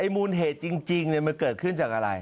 มูลเหตุจริงมันเกิดขึ้นจากอะไร